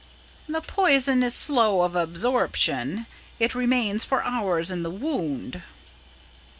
"The poison is slow of absorption. It remains for hours in the wound."